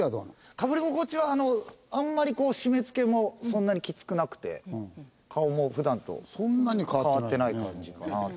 かぶり心地はあんまり締め付けもそんなにきつくなくて顔も普段と変わってない感じかなと。